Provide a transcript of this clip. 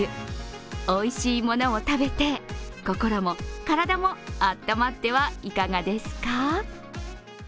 おいしいものを食べて心も体もあったまってはいかがですか？